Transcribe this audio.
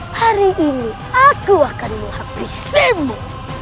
hari ini aku akan menghabisimu